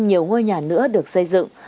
nhiều ngôi nhà nữa được xây dựng